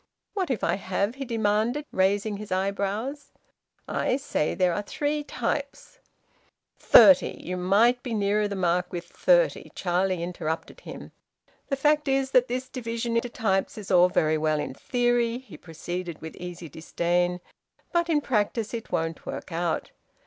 "What if I have?" he demanded, raising his eyebrows, "I say there are three types " "Thirty; you might be nearer the mark with thirty," Charlie interrupted him. "The fact is that this division into types is all very well in theory," he proceeded, with easy disdain. "But in practice it won't work out.